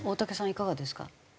いかがですか？